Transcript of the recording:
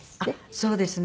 そうですね。